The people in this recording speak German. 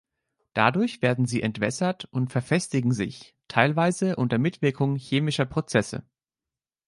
Dadurch werden sie entwässert und verfestigen sich, teilweise unter Mitwirkung chemischer Prozesse.